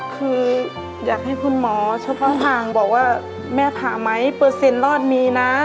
คืออยากให้คุณหมอเฉพาะทางบอกว่าแม่ผ่าไหมเปอร์เซ็นต์รอดมีนะ